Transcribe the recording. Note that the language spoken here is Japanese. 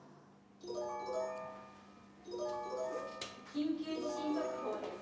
「緊急地震速報です。